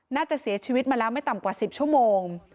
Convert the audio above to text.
น่าจะเสียชีวิตมาแล้วไม่ต่ำกว่า๑๐ชั่วโมง